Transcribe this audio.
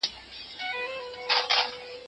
لاندې قضایاوي د بحث لپاره مهمې دي.